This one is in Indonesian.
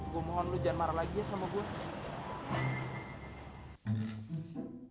gue mohon lo jangan marah lagi ya sama gue